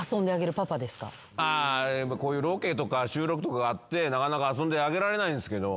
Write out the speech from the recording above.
こういうロケとか収録とかがあってなかなか遊んであげられないんですけど。